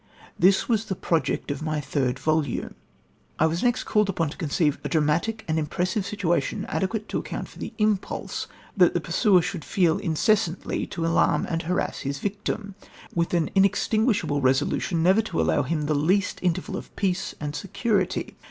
This was the project of my third volume. I was next called upon to conceive a dramatic and impressive situation adequate to account for the impulse that the pursuer should feel incessantly to alarm and harass his victim, with an inextinguishable resolution never to allow him the least interval of peace and security.